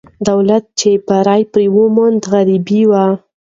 دولت چې بری پرې وموند، غربي وو.